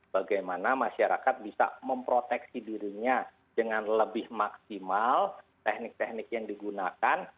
bagaimana masyarakat bisa memproteksi dirinya dengan lebih maksimal teknik teknik yang digunakan